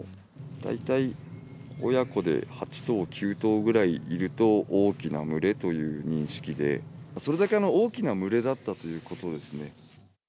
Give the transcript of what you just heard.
大体親子で８頭、９頭ぐらいいると大きな群れという認識で、それだけ大きな群れだったということですね。